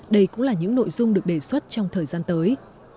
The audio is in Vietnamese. đây cũng là những nội dung được đề xuất trong thời gian tới